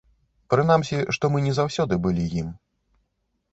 Прынамсі, што мы не заўсёды былі ім.